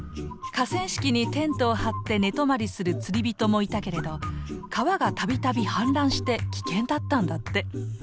河川敷にテントを張って寝泊りする釣り人もいたけれど川がたびたび氾濫して危険だったんだって。